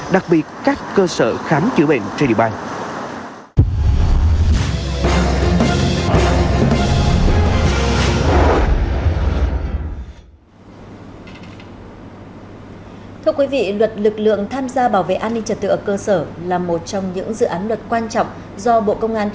đặc biệt các cơ sở khám chữa bệnh trên địa bàn